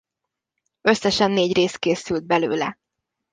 Összesen négy rész készült belőle.